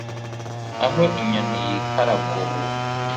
aho inyoni yikaraga ubu